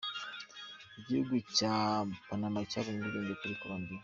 Igihugu cya Panama cyabonye ubwigenge kuri Colombiya.